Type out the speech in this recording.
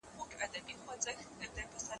وروري به کوو، حساب تر منځ.